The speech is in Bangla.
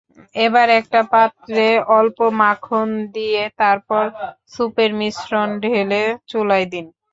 এবার একটা পাত্রে অল্প মাখন দিয়ে তারপর স্যুপের মিশ্রণ ঢেলে চুলায় দিন।